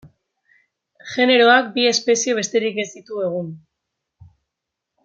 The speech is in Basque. Generoak bi espezie besterik ez ditu egun.